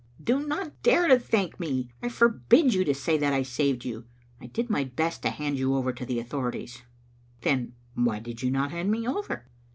" Do not dare to thank me. I forbid you to say that I saved you. I did my best to hand you over to the authorities." " Then why did you not hand me over?"